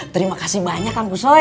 terima kasih banyak pak ustadz